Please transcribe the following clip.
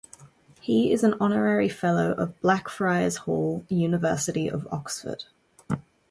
He is an Honorary Fellow of Blackfriars Hall, University of Oxford.